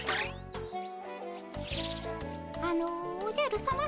あのおじゃるさま。